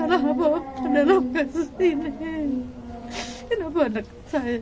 dan penyelamatkan keadaan yang tidak berhasil